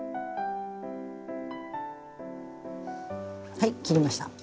はい切りました。